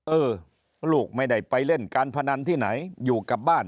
เออลูกไม่ได้ไปเล่นการพนันที่ไหนอยู่กับบ้าน